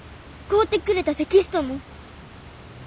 買うてくれたテキストも。